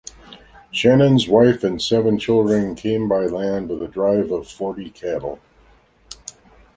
Shannon's wife and seven children came by land with a drive of forty cattle.